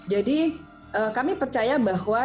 jadi kami percaya bahwa